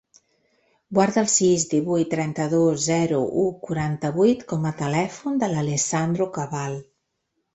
Guarda el sis, divuit, trenta-dos, zero, u, quaranta-vuit com a telèfon de l'Alessandro Cabal.